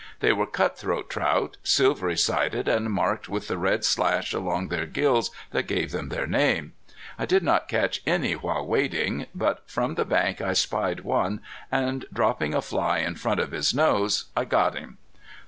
They were cutthroat trout, silvery sided and marked with the red slash along their gills that gave them their name. I did not catch any while wading, but from the bank I spied one, and dropping a fly in front of his nose, I got him.